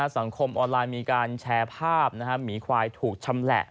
สังคมออนไลน์มีการแชร์ภาพหมีควายถูกชำแหละ